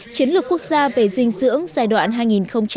chiến lược quốc gia về dinh dưỡng giai đoạn hai nghìn hai mươi một